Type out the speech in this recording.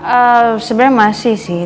ee sebenernya masih sih